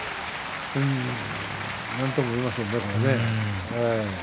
なんとも言えませんね。